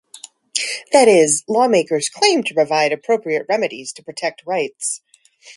That is, lawmakers claim to provide appropriate remedies to protect rights.